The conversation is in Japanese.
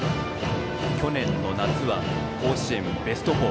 去年の夏は甲子園ベスト４。